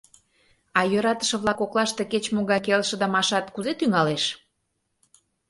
А йӧратыше-влак коклаште кеч-могай келшыдымашат кузе тӱҥалеш?